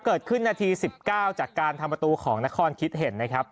เกิดขึ้นนาทีสิบเก้าจากการทำประตูของนครคิดเห็นนะครับ